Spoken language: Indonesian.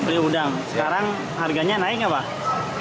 sekarang harganya naik nggak pak